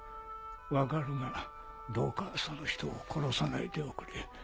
分かるがどうかその人を殺さないでおくれ。